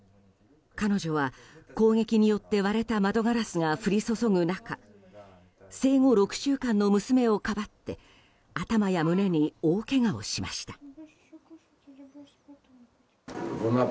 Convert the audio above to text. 彼女は攻撃によって割れた窓ガラスが降り注ぐ中生後６週間の娘をかばって頭や胸に大けがをしました。